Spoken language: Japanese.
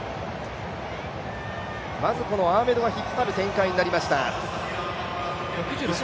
まずアーメドが引っ張る展開になりました。